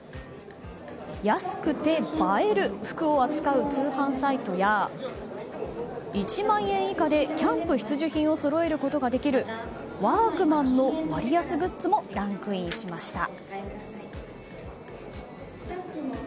安くて、映える服を扱う通販サイトや１万円以下でキャンプ必需品をそろえることができるワークマンの割安グッズもランクインしました。